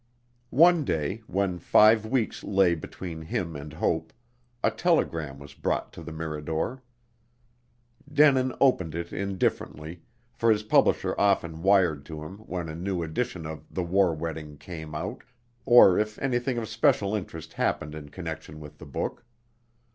One day, when five weeks lay between him and hope, a telegram was brought to the Mirador. Denin opened it indifferently, for his publisher often wired to him when a new edition of "The War Wedding" came out, or if anything of special interest happened in connection with the book.